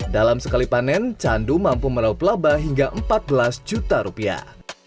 dalam sekali panen chandu mampu merauh pelaba hingga empat belas juta rupiah